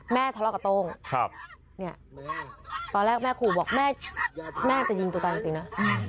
ทะเลาะกับโต้งเนี่ยตอนแรกแม่ขู่บอกแม่แม่จะยิงตัวตายจริงนะ